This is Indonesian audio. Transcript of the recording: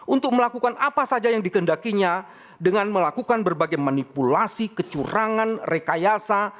untuk melakukan apa saja yang dikendakinya dengan melakukan berbagai manipulasi kecurangan rekayasa